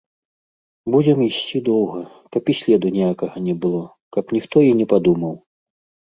Будзем ісці доўга, каб і следу ніякага не было, каб ніхто і не падумаў.